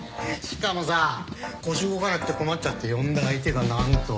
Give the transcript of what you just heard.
しかもさ腰動かなくて困っちゃって呼んだ相手が何と。